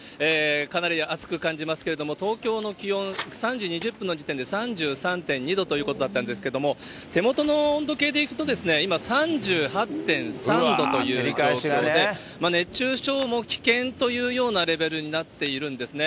かなり暑く感じますけれども、東京の気温、３時２０分の時点で３３．２度ということだったんですけれども、手元の温度計でいくと、今、３８．３度という状況で、熱中症の危険というようなレベルになってるんですね。